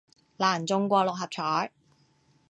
難中過六合彩